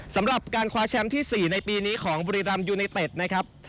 สำหรับการคว้าแชมป์ที่๔ในปีนี้ของบุรีรัมยูไนเต็ดนะครับ